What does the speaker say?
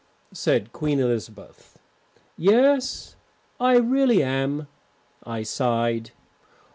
said Queen Elizabeth. "Yes, I really am," I sighed.